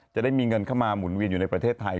จะได้มีเงินเข้ามาหมุนเวียนอยู่ในประเทศไทย